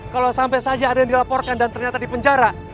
kalau sampai saja ada yang dilaporkan dan ternyata di penjara